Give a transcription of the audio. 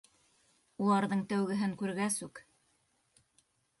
Уларҙың тәүгеһен күргәс үк: